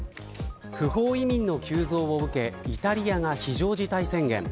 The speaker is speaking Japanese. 不法移民の急増を受けイタリアが非常事態宣言。